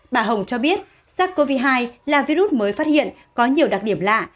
bà hồng cho biết sars cov hai là virus mới phát hiện có nhiều đặc điểm lạ